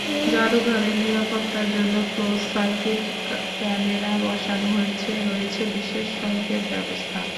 জাদুঘরের নিরাপত্তার জন্য ক্লোজ সার্কিট ক্যামেরা বসানো হয়েছে, রয়েছে বিশেষ সংকেত ব্যবস্থা।